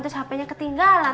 terus hp nya ketinggalan